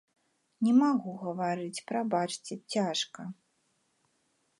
Не магу гаварыць, прабачце, цяжка.